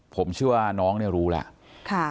ผมเชื่อว่าน้องเนี่ยรู้แล้ว